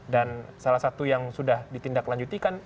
dan salah satu yang sudah dititipkan adalah